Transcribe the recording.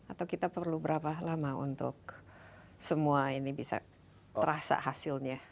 atau kita perlu berapa lama untuk semua ini bisa terasa hasilnya